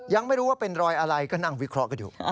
ยังไม่รู้ว่าเป็นรอยอะไรก็นั่งวิเคราะห์กันอยู่